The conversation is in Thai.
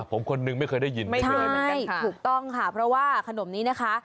ผมคนนึงไม่เคยได้ยินใช่ถูกต้องค่ะเพราะว่าขนมนี้นะคะ